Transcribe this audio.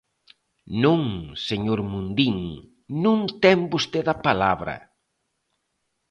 Non, señor Mundín, ¡non ten vostede a palabra!